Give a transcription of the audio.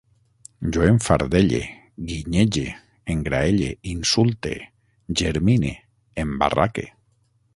Jo enfardelle, guinyege, engraelle, insulte, germine, embarraque